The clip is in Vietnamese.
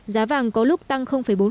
giá vàng có lúc tăng bốn